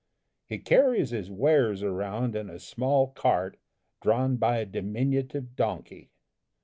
He carries his wares around in a small cart drawn by a diminutive donkey.